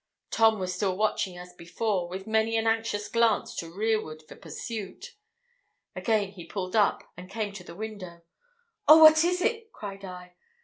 Tom was still watching as before, with many an anxious glance to rearward, for pursuit. Again he pulled up, and came to the window. 'Oh, what is it?' cried I.